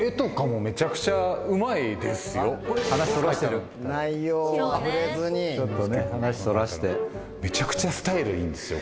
あのめちゃくちゃうまいですよ話そらせてる内容は触れずにちょっとね話そらせてめちゃくちゃスタイルいいんですよ